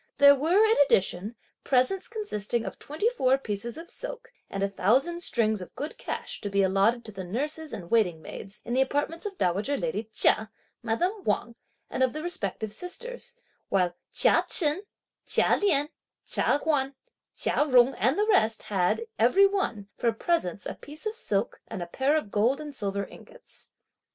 There were, in addition, presents consisting of twenty four pieces of silk and a thousand strings of good cash to be allotted to the nurses, and waiting maids, in the apartments of dowager lady Chia, madame Wang and of the respective sisters; while Chia Chen, Chia Lien, Chia Huan, Chia Jung and the rest had, every one, for presents, a piece of silk, and a pair of gold and silver ingots.